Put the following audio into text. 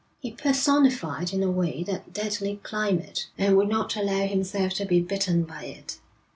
He personified in a way that deadly climate and would not allow himself to be beaten by it.